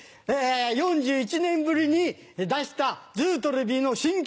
４１年ぶりに出したずうとるびの新曲。